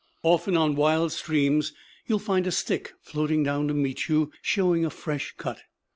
Often on wild streams you find a stick floating down to meet you showing a fresh cut.